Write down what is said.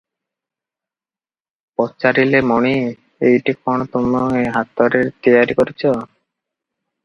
ପଚାରିଲେ "ମଣି! ଏଇଟି କଣ ତୁମେ ହାତରେ ତିଆରି କରିଚ?"